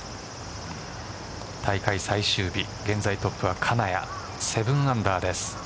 大会最終日、現在トップは金谷７アンダーです。